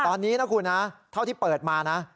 ตอนนี้นะคุณนะเท่าที่เปิดมานะ